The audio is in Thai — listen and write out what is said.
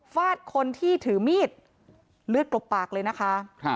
ฟาดคนที่ถือมีดเลือดกลบปากเลยนะคะ